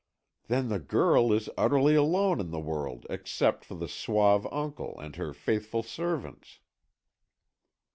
"Then the girl is utterly alone in the world except for the suave uncle and her faithful servants."